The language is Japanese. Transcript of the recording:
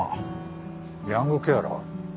ヤングケアラー？